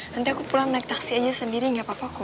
nanti aku pulang naik taksi aja sendiri gak apa apa kok